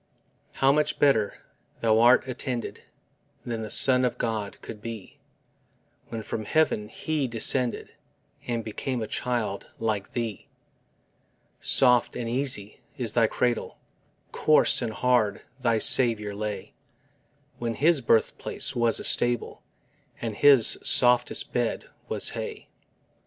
How much better thou'rt attended Than the Son of God could be, When from heaven He descended And became a child like thee! Soft and easy is thy cradle: Coarse and hard thy Saviour lay, When His birthplace was a stable And His softest bed was hay.